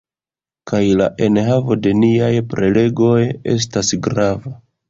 Kaj la enhavo de niaj prelegoj estas grava